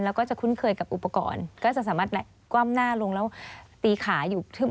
แล้วก็จะคุ้นเคยกับอุปกรณ์ก็จะสามารถกว้ามหน้าลงแล้วตีขาอยู่ทึบ